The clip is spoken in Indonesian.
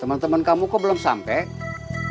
teman teman kamu kok belum sampai